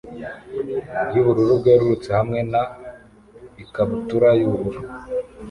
yubururu bwerurutse hamwe na ikabutura yubururu